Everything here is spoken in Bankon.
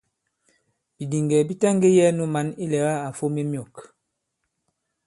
Bìdìŋgɛ̀ bi taŋgē yɛ̄ɛ nu mǎn ilɛ̀gâ à fom i myɔ̂k.